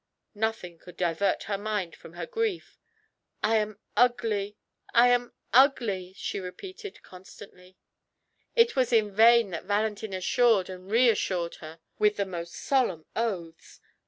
Nothing could divert her mind from her grief. "I am ugly I am ugly," she repeated constantly. It was in vain that Valentin assured and reassured her with the most solemn oaths.